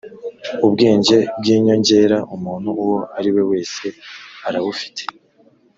ubwenge bw’ inyongera umuntu uwo ari we wese arabufite